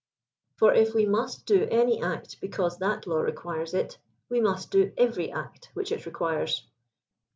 For if we nmst do any act because that law requires it, we must do every act which it requires.